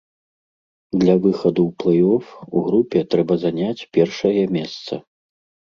Для выхаду ў плэй-оф у групе трэба заняць першае месца.